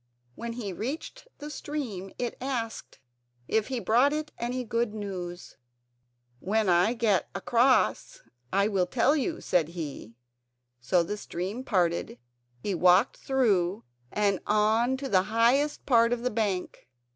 When he reached the stream it asked if he brought it any good news. "When I get across I will tell you," said he. So the stream parted; he walked through and on to the highest part of the bank.